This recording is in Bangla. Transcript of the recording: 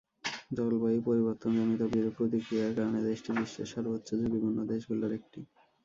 জলবায়ু পরিবর্তনজনিত বিরূপ প্রতিক্রিয়ার কারণে দেশটি বিশ্বের সর্বোচ্চ ঝুঁকিপূর্ণ দেশগুলোর একটি।